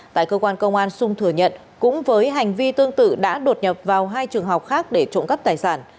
tại cơ quan công an xung thừa nhận cũng với hành vi tương tự đã đột nhập vào hai trường học khác để trộm cắp tài sản